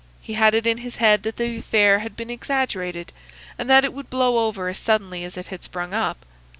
He had it in his head that the affair had been exaggerated, and that it would blow over as suddenly as it had sprung up.